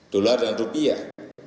dolar dan rupiah